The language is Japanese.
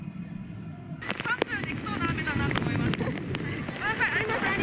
シャンプーできそうな雨だなと思いました。